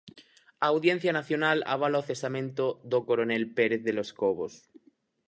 A Audiencia Nacional avala o cesamento do coronel Pérez de los Cobos.